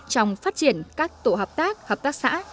trong phát triển các tổ hợp tác hợp tác xã